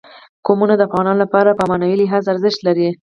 قومونه د افغانانو لپاره په معنوي لحاظ ارزښت لري.